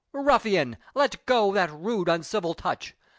"Ruffian, let go that rude, uncivil touch!